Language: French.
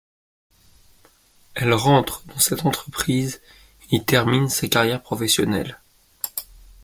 Elle rentre dans cette entreprise et y termine sa carrière professionnelle.